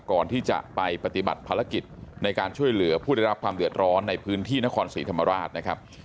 ก่อนที่จะไปปฏิบัติภารกิจในการช่วยเหลือผู้ได้รับความเดือดร้อนในพื้นที่นครศรีธรรมราชนะครับ